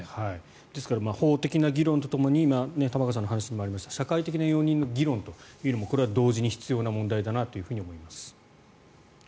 ですから法的な議論とともに玉川さんの話にもありました社会的な容認の議論というのもこれは同時に必要な問題だと思います。